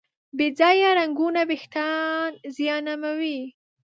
بې ځایه رنګونه وېښتيان زیانمنوي.